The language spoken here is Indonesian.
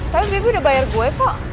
tapi bebi udah bayar gue kok